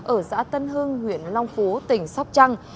ở giã tân hưng huyện long phú tỉnh sóc trăng